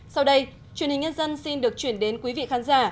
sau đây truyền hình nhân dân xin được chuyển đến quý vị khán giả